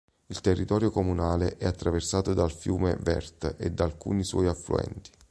Il territorio comunale è attraversato dal fiume Vert e da alcuni suoi affluenti.